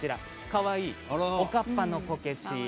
かわいい、おかっぱのこけし。